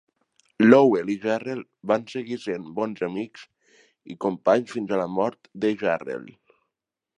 Lowell i Jarrell van seguir sent bons amics i companys fins a la mort de Jarrell.